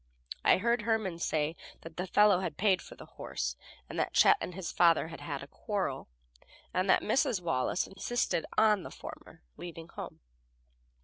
I heard Herman say that the fellow had paid for the horse, that Chet and his father had had a quarrel, and that Mrs. Wallace insisted on the former leaving home.